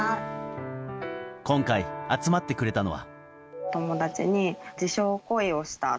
今回、集まってくれたのは。